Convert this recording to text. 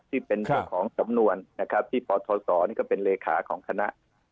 ที่เป็นเจ้าของสำนวนนะครับที่ปทศนี่ก็เป็นเลขาของคณะ